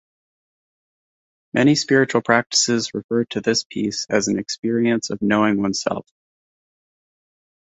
Many spiritual practices refer to this peace as an experience of knowing oneself.